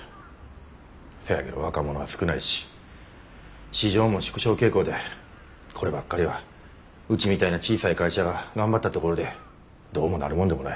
せやけど若者は少ないし市場も縮小傾向でこればっかりはうちみたいな小さい会社が頑張ったところでどうもなるもんでもない。